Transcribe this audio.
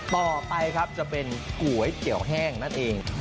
ต่อไปครับจะเป็นก๋วยเตี๋ยวแห้งนั่นเอง